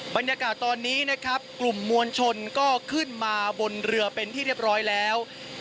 บรรยากาศตอนนี้นะครับกลุ่มมวลชนก็ขึ้นมาบนเรือเป็นที่เรียบร้อยแล้ว